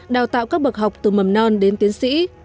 đào tạo các bậc học từ mầm non đến tiến sĩ